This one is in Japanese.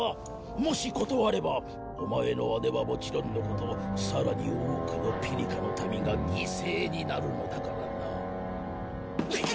もし断ればオマエの姉はもちろんのことさらに多くのピリカの民が犠牲になるのだからな。